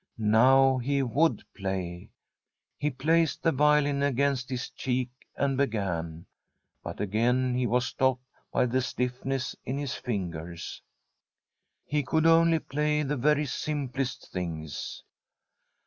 Now he would play. He placed the violin against his cheek, and began. But again he was stopped by the stiffness in his fingers. He could only play the very simplest things.